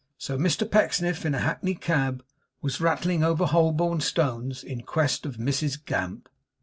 So Mr Pecksniff, in a hackney cab, was rattling over Holborn stones, in quest of Mrs Gamp.